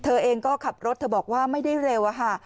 เธอเองก็ขับรถเธอบอกว่าไม่ได้เร็วอะค่ะ